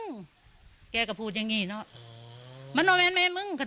กะแก่ก็พูดไปทั่วละจ๊ะไปหาหมอกะบ๊อมมี่อย่างเนี่ย